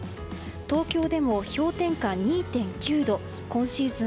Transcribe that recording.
東京でも氷点下２．９度今シーズン